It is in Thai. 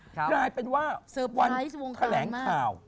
กลายเป็นว่าวันแถลงข่าว